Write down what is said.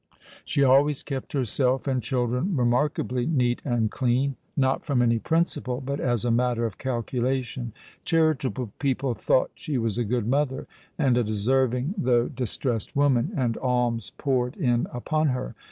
She always kept herself and children remarkably neat and clean—not from any principle, but as a matter of calculation. Charitable people thought she was a good mother, and a deserving though distressed woman; and alms poured in upon her.